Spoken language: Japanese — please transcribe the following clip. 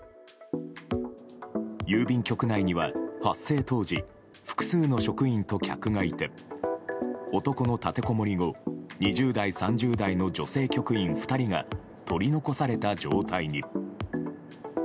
郵便局内には、発生当時複数の職員と客がいて男の立てこもり後２０代、３０代の女性局員２人が取り残された状態に。